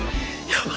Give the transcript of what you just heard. やば！